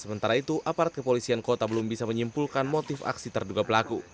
sementara itu aparat kepolisian kota belum bisa menyimpulkan motif aksi terduga pelaku